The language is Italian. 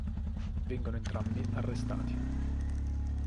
Vengono entrambi arrestati.